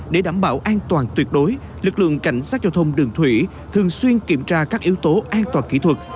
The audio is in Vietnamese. để đảm bảo an toàn tuyệt đối lực lượng cảnh sát giao thông đường thủy thường xuyên kiểm tra các yếu tố an toàn kỹ thuật